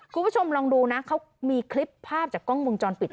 คุณผู้ชมลองดูนะเขามีคลิปภาพจากกล้องมุมจรปิด